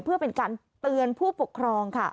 เพื่อเป็นการเตือนผู้ปกครองค่ะ